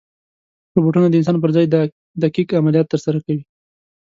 روبوټونه د انسان پر ځای دقیق عملیات ترسره کوي.